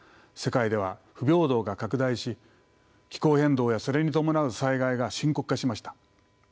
世界では不平等が拡大し気候変動やそれに伴う災害が深刻化しました。